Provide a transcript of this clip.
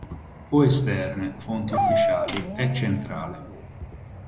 O esterne (fonti ufficiali) è centrale.